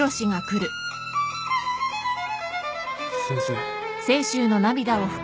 先生